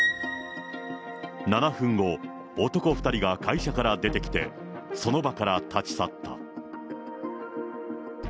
７分後、男２人が会社から出てきて、その場から立ち去った。